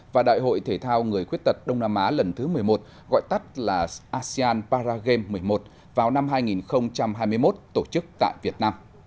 và đại hội thể thao người khuyết tật đông nam á lần thứ một mươi một gọi tắt là asean paragame một mươi một vào năm hai nghìn hai mươi một tổ chức tại việt nam